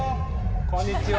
こんにちは。